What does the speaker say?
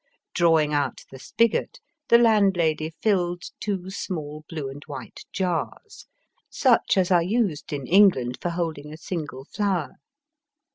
Drawing out the spigot, the landlady filled two small blue and white jars, such as are used in England for holding a single flower.